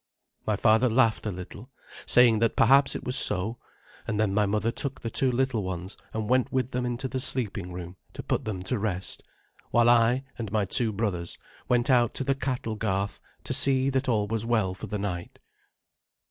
My father laughed a little, saying that perhaps it was so, and then my mother took the two little ones and went with them into the sleeping room to put them to rest, while I and my two brothers went out to the cattle garth to see that all was well for the night.